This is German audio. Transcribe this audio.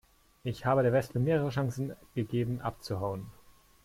Ich habe der Wespe mehrere Chancen gegeben abzuhauen.